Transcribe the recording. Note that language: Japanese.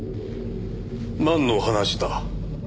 なんの話だ？